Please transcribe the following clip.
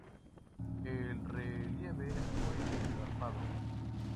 El relieve es muy escarpado.